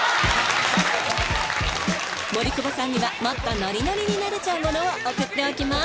森久保さんにはもっとノリノリになれちゃうものを送っておきます